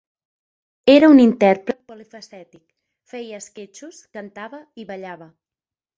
Era un intèrpret polifacètic: feia esquetxos, cantava i ballava.